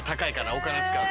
お金使う。